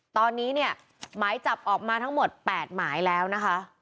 ตอนนี้เนี่ยหมายจับออกมาทั้งหมด๘หมายแล้วนะคะ